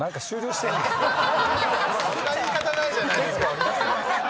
そんな言い方ないじゃないですか。